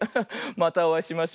またおあいしましょう。